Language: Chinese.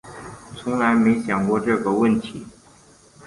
从来没有想过这个问题